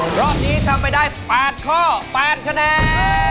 รอบนี้ทำไปได้๘ข้อ๘คะแนน